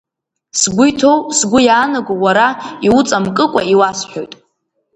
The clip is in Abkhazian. Сгәы иҭоу, сгәы иаанаго уара иуҵамкыкәа иуасҳәоит.